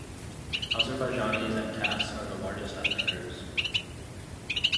Azerbaijanis and Tats are the largest ethnic groups.